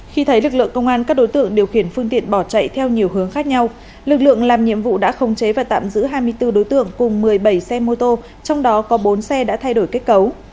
khi thấy lực lượng công an các đối tượng điều khiển phương tiện bỏ chạy theo nhiều hướng khác nhau lực lượng làm nhiệm vụ đã khống chế và tạm giữ hai mươi bốn đối tượng cùng một mươi bảy xe mô tô trong đó có bốn xe đã thay đổi kết cấu